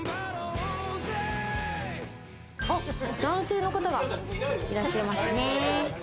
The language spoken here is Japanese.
男性の方がいらっしゃいましたね。